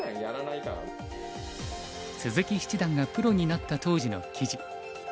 鈴木七段がプロになった当時の記事。